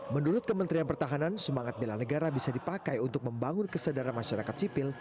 menurut kementerian pertahanan semangat bela negara bisa dipakai untuk membangun kesadaran masyarakat sipil